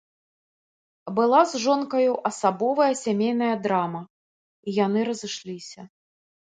Была з жонкаю асабовая сямейная драма, і яны разышліся.